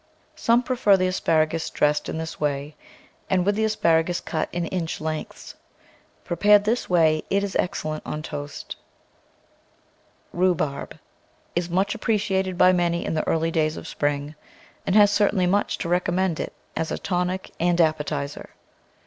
Some prefer the asparagus dressed in this way and with the asparagus cut in inch lengths. Prepared this way, it is excellent on toast. PERENNIAL VEGETABLES RHUBARB Is much appreciated by many in the early days of spring, and has certainly much to recommend it as a tonic and appetiser.